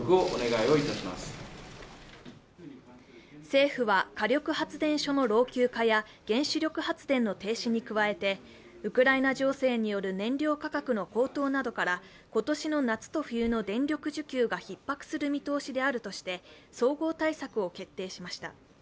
政府は火力発電所の老朽化や原子力発電の停止に加えてウクライナ情勢による燃料価格の高騰などから今年の夏と冬の電力需給がひっ迫する見通しであるとして総合対策を決定しました。